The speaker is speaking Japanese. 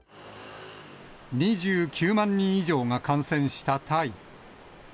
２９万人以上が感染したタイ。